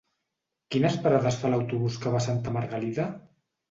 Quines parades fa l'autobús que va a Santa Margalida?